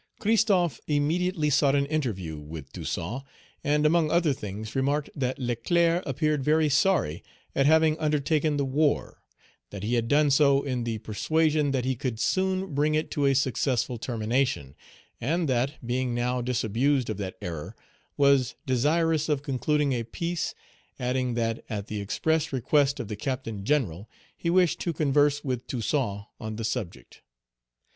Christophe immediately sought an interview with Toussaint, and, among other things, remarked that Leclerc appeared very sorry at having undertaken the war, that he had done so in the persuasion that he could soon bring it to a successful termination, and that, being now disabused of that error, was desirous Page 208 of concluding a peace; adding that, at the express request of the Captain General, he wished to converse with Toussaint on the subject.